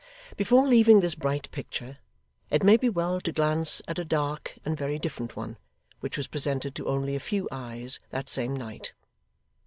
Before leaving this bright picture, it may be well to glance at a dark and very different one which was presented to only a few eyes, that same night.